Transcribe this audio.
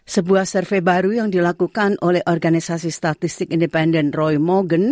sebuah survei baru yang dilakukan oleh organisasi statistik independen roy mogen